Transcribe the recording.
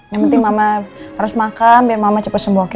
yang penting mama harus makan biar mama cepet sembuh